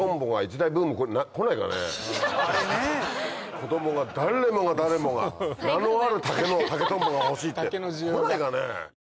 子供が誰もが誰もが名のある竹の竹とんぼが欲しいって来ないかね？